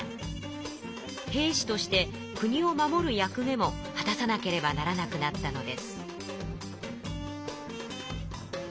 兵士として国を守る役目も果たさなければならなくなったのです。